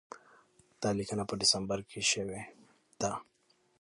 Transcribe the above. دا لیکنه په ډسمبر کې شوې ده.